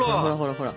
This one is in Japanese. ほら。